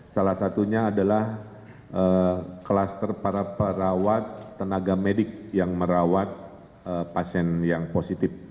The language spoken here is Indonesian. salah satunya adalah kluster para perawat tenaga medik yang merawat pasien yang positif